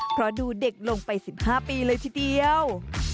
เพราะดูเด็กลงไป๑๕ปีเลยทีเดียว